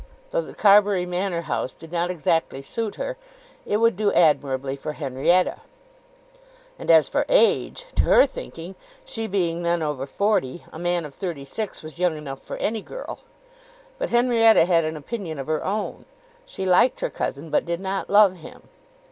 Though the Carbury Manor House did not exactly suit her, it would do admirably for Henrietta. And as for age, to her thinking, she being then over forty, a man of thirty six was young enough for any girl. But Henrietta had an opinion of her own. She liked her cousin, but did not love him.